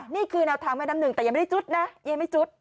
นี่คือแนวทางแม่น้ำหนึ่งแต่ยังไม่ได้จุดนะยังไม่จุด